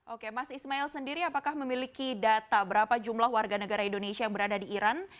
oke mas ismail sendiri apakah memiliki data berapa jumlah warga negara indonesia yang berada di iran